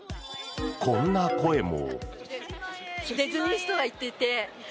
こんな声も。